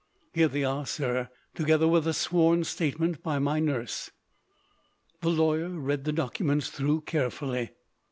"Here they are, sir, together with a sworn statement by my nurse." The lawyer read the documents through carefully.